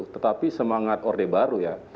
tetapi semangat orde baru ya